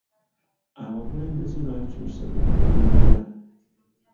Abakulembeze bakyusa be bakulembera.